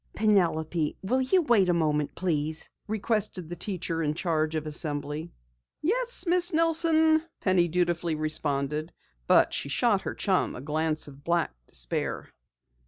"Penelope, will you wait a moment please?" requested the teacher in charge of assembly. "Yes, Miss Nelson," Penny dutifully responded, but she shot her chum a glance of black despair.